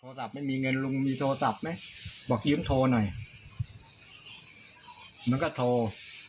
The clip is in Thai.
ไม่มีเงินลุงมีโทรศัพท์ไหมบอกยืมโทรหน่อยมันก็โทร